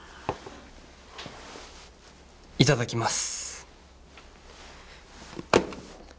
いただきます！